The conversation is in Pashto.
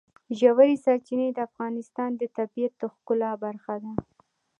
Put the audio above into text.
ژورې سرچینې د افغانستان د طبیعت د ښکلا برخه ده.